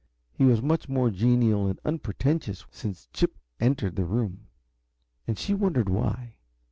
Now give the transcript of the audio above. He was much more genial and unpretentious since Chip entered the room, and she wondered why.